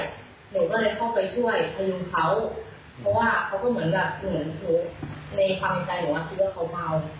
ผมก็ต้องช่วยผมก็เลยเข้าไปช่วยพยุงเขาเพราะว่าเขาก็เหมือนในความใจผมว่าคิดว่าเขาเมา